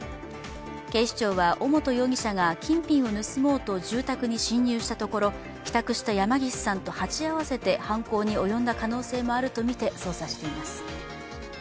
警視庁は尾本容疑者が金品を盗もうと住宅に侵入したところ帰宅した山岸さんと鉢合わせて犯行に及んだ可能性もあるとみて捜査しています。